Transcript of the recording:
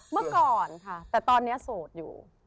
เมื่อก่อนค่ะแต่ตอนนี้โสดอยู่